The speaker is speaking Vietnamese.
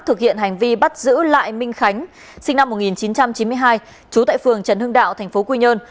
thực hiện hành vi bắt giữ lại minh khánh sinh năm một nghìn chín trăm chín mươi hai trú tại phường trần hưng đạo tp quy nhơn